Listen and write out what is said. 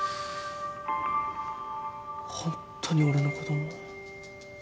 ホントに俺の子供？